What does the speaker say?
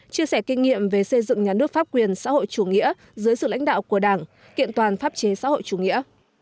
chia sẻ kinh nghiệm về xây dựng nhà nước pháp quyền xã hội chủ nghĩa dưới sự lãnh đạo của đảng kiện toàn pháp chế xã hội chủ nghĩa